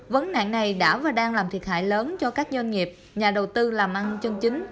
vấn nạn này đã và đang làm thiệt hại lớn cho các doanh nghiệp nhà đầu tư làm ăn chân chính